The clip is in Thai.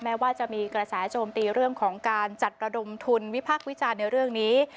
แม้ว่าจะมีกระแสโจมตีเรื่องของการจัดระดมทุนวิพักษ์วิจารณ์ในเรื่องนี้